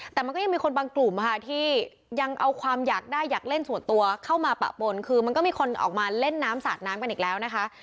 แต่มันก็ยังมีคนบางกลุ่มค่ะที่ยังเอาความอยากได้อยากเล่นส่วนตัวเข้ามาปะปนคือมันก็มีคนออกมาเล่นน้ำสาดน้ำกันอีกแล้วนะคะ